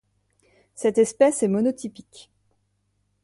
Cette espèce est monotypique.